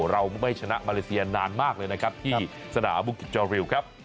เราไม่ชนะมาเลเซียนานมากเลยที่ศาลาบุรกิจจาลิว